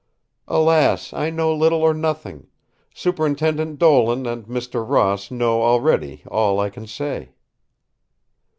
"Alas! I know little or nothing. Superintendent Dolan and Mr. Ross know already all I can say."